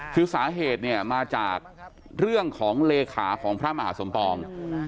คือสาเหตุเนี่ยมาจากเรื่องของเลขาของพระมหาสมปอง